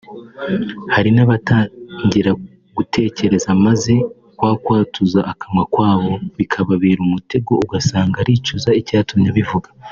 hari n’abatangira gutekereza maze kwa kwatuza akanwa kwabo bikababera umutego ugasanga aricuza icyatumye abivuga